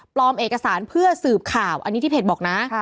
เอกสารเพื่อสืบข่าวอันนี้ที่เพจบอกนะ